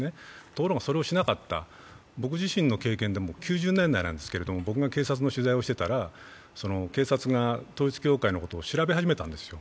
ところがそれをしなかった、僕自身の経験でも９０年代なんですけど、僕が警察の取材をしていたら警察が統一教会のことを調べ始めたんですよ。